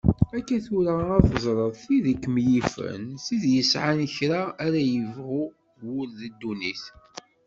Akka tura ad teẓreḍ tid i kem-yifen, tid yesɛan kra ara yebɣu wul deg dunnit.